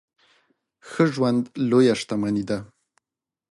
ښه ژوند لويه شتمني ده.